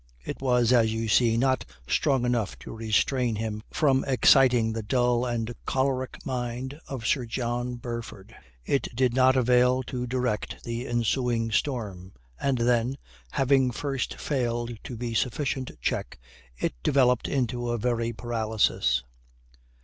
It was, as you see, not strong enough to restrain him from exciting the dull and choleric mind of Sir John Burford; it did not avail to direct the ensuing storm. And then, having first failed to be sufficient check, it developed into a very paralysis.